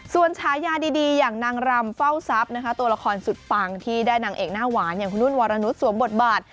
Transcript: ส่วนฉายาดีอย่างนางรำเฝ้าทรัพย์นะคะตัวละครสุดปังที่ได้นางเอกหน้าหวานอย่างคุณนุ่นวรนุษยสวมบทบาท